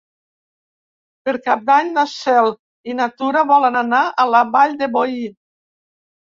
Per Cap d'Any na Cel i na Tura volen anar a la Vall de Boí.